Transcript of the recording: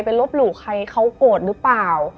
ไปรบหลุใครเขากดรึเปล่า